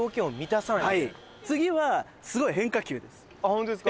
ホントですか？